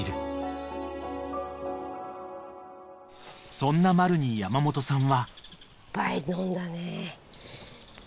［そんなマルに山本さんは］